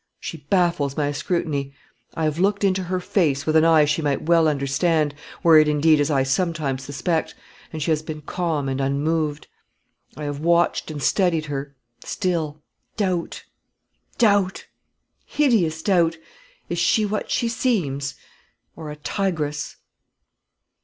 She baffles my scrutiny. I have looked into her face with an eye she might well understand, were it indeed as I sometimes suspect, and she has been calm and unmoved. I have watched and studied her; still doubt, doubt, hideous doubt! is she what she seems, or a tigress?"